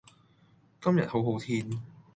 今日好好天